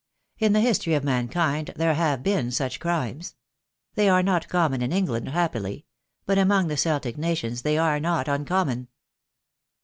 In the history of mankind there have been such crimes. They are not common in England, happily; but among the Celtic nations they are not uncommon.